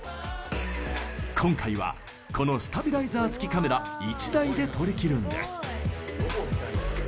今回はこのスタビライザー付きカメラ１台で撮り切るんです。